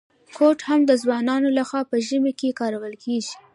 کوټ هم د ځوانانو لخوا په ژمي کي کارول کیږي.